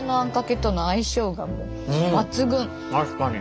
確かに。